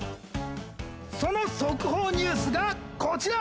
その速報ニュースがこちら！